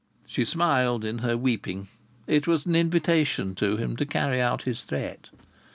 She smiled in her weeping. It was an invitation to him to carry out his threat.